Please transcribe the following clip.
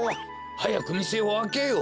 はやくみせをあけよう！